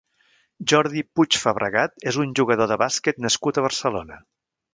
Jordi Puig Fabregat és un jugador de bàsquet nascut a Barcelona.